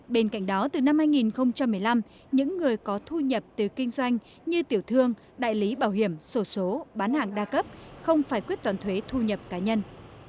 bên cạnh đó từ năm hai nghìn một mươi năm những người có thu nhập từ kinh doanh như tiểu thương đại lý bảo hiểm sổ số bán hàng đa cấp không phải quyết toán thuế thu nhập cá nhân